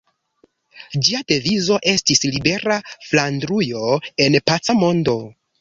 Ĝia devizo estis "Libera Flandrujo en paca mondo".